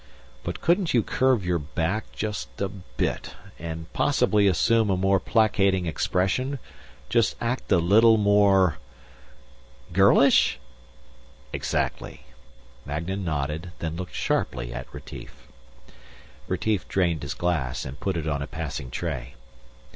But couldn't you curve your back just a bit and possibly assume a more placating expression? Just act a little more...." "Girlish?" "Exactly." Magnan nodded, then looked sharply at Retief. Retief drained his glass and put it on a passing tray.